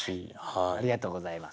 ありがとうございます。